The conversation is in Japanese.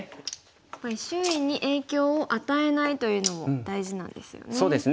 やっぱり周囲に影響を与えないというのも大事なんですよね。